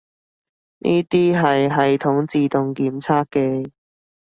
呢啲係系統自動檢測嘅